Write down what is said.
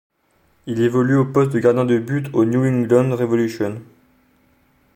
Il évolue au poste de gardien de but au New England Revolution.